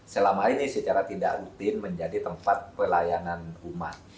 selama ini secara tidak rutin menjadi tempat pelayanan rumah